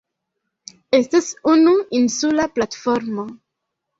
Estas unu insula platformo.